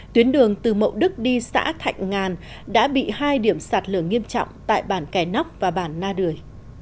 tuyến đường từ mậu đức đi xã thạnh ngàn đã bị hai điểm sạt lở nghiêm trọng tại bản kẻ nóc và bản na đười